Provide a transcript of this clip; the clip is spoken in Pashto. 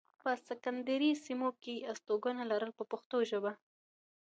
په سکندریه سیمه کې یې استوګنه لرله په پښتو ژبه.